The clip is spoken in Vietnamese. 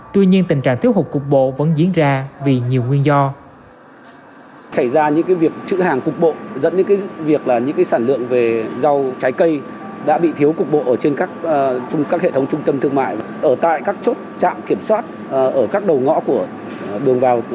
tuy nhiên tình trạng thiếu hụt cục bộ vẫn diễn ra vì nhiều nguyên do